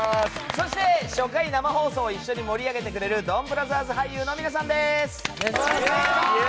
そして初回生放送を一緒に盛り上げてくれるドンブラザーズ俳優の皆さんです！